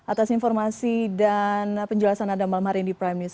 atas informasi dan penjelasan anda malam hari ini di prime news